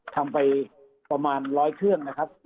ทำไปประมาณ๑๐๐เครื่องนะครับ